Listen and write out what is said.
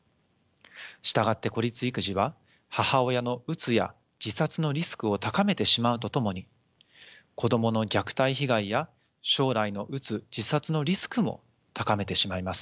従って孤立育児は母親のうつや自殺のリスクを高めてしまうとともに子どもの虐待被害や将来のうつ自殺のリスクも高めてしまいます。